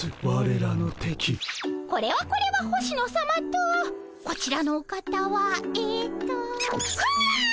これはこれは星野さまとこちらのお方はえっとふんがっ！